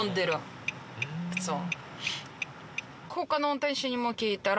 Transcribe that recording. そう。